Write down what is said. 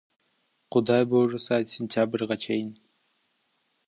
Кудай буйруса, сентябрга чейин.